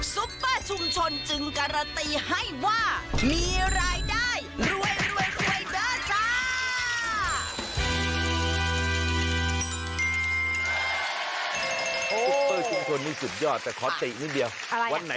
ซุปเปอร์ชุมชนจึงกรตีให้ว่า